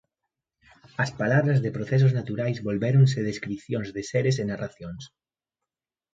As palabras de procesos naturais volvéronse descricións de seres e narracións.